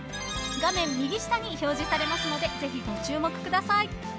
［画面右下に表示されますのでぜひご注目ください］